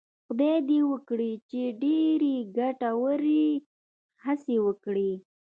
خدای دې وکړي چې ډېرې ګټورې هڅې وکړي.